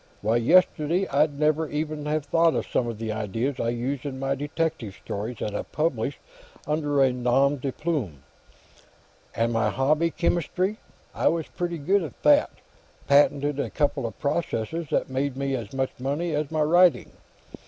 Why, yesterday I'd never even have thought of some of the ideas I used in my detective stories, that I published under a nom de plume. And my hobby, chemistry; I was pretty good at that. Patented a couple of processes that made me as much money as my writing.